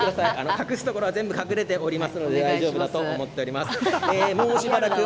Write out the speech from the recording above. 隠すところは隠しておりますので大丈夫だと思います。